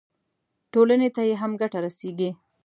ټولنې ته یې هم ګټه رسېږي.